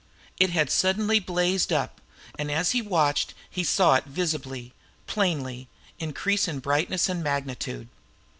It had suddenly blazed up and as he watched he saw it visibly, plainly, increase in brightness and magnitude.